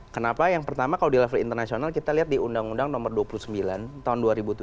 kenapa yang pertama kalau di level internasional kita lihat di undang undang nomor dua puluh sembilan tahun dua ribu tujuh